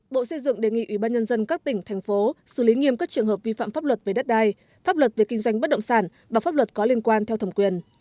bộ xây dựng đề nghị ủy ban nhân dân các tỉnh thành phố xử lý nghiêm các trường hợp vi phạm pháp luật về đất đai pháp luật về kinh doanh bất động sản và pháp luật có liên quan theo thẩm quyền